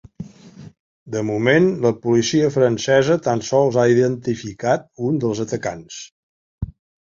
De moment, la policia francesa tan sols ha identificat un dels atacants.